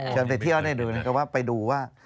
เชิญไปเที่ยวไปดูว่า